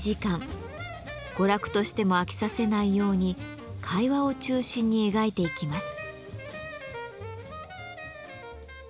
娯楽としても飽きさせないように会話を中心に描いていきます。